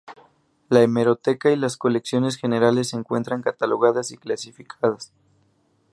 La hemeroteca y las colecciones generales se encuentran catalogadas y clasificadas.